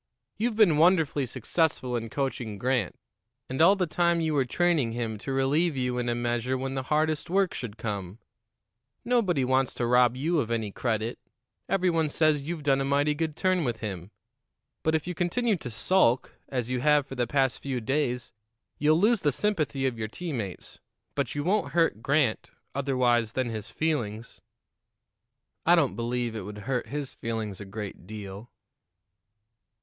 You've been wonderfully successful in coaching Grant, and all the time you were training him to relieve you in a measure when the hardest work should come. Nobody wants to rob you of any credit; every one says you've done a mighty good turn with him. But if you continue to sulk, as you have for the past few days, you'll lose the sympathy of your teammates; but you won't hurt Grant otherwise than his feelings." "I don't believe it would hurt his feelings a great deal."